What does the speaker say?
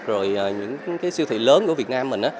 rồi những siêu thị lớn của việt nam mình